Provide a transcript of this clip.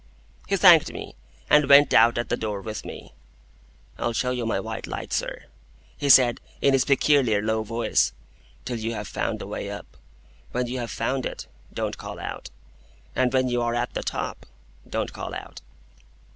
He thanked me, and went out at the door with me. "I'll show my white light, sir," he said, in his peculiar low voice, "till you have found the way up. When you have found it, don't call out! And when you are at the top, don't call out!"